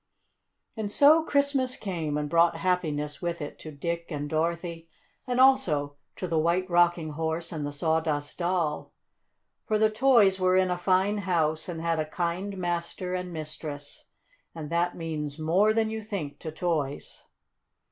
And so Christmas came and brought happiness with it to Dick and Dorothy and also to the White Rocking Horse and the Sawdust Doll. For the toys were in a fine house and had a kind master and mistress. And that means more than you think to toys.